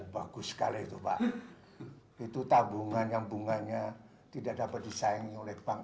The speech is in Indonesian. bagus bagus week itu itu tabungan yang bunganya tidak dapat disaingi ulembang